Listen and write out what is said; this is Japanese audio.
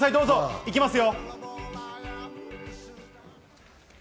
行きますよ！